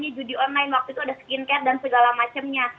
juga jika itu online waktu itu ada skincare dan segala macemnya